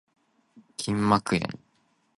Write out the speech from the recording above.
筋膜炎